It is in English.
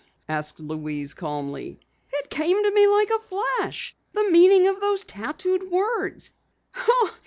asked Louise calmly. "It came to me like a flash the meaning of those tattooed words!